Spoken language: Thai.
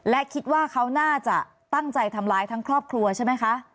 และคิดว่าเขาน่าจะตั้งใจทำร้ายทั้งครอบครัวใช่ไหมคะ